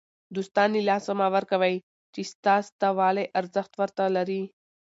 دوستان له لاسه مه ورکوئ! چي ستا سته والى ارزښت ور ته لري.